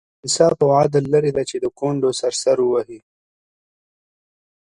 له انصاف او عدل لرې دی چې د کونډو سر سر وهي.